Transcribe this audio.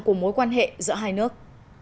của mối quan hệ giữa hai nước